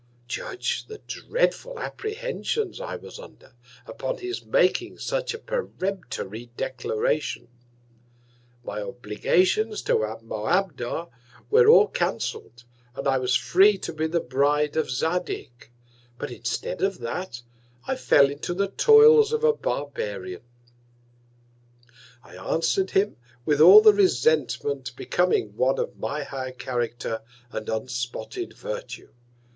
Judge the dreadful Apprehensions I was under, upon his making such a peremptory Declaration. My Obligations to Moabdar were all cancell'd, and I was free to be the Bride of Zadig; but instead of that, I fell into the Toils of a Barbarian. I answer'd him with all the Resentment becoming one of my high Character and unspotted Virtue.